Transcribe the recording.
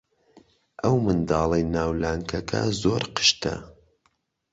ئەو منداڵەی ناو لانکەکە زۆر قشتە.